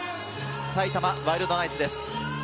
埼玉ワイルドナイツです。